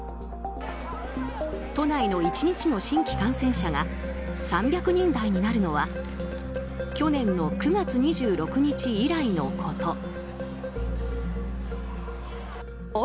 都内の１日の新規感染者が３００人台になるのは去年の９月２６日以来のこと。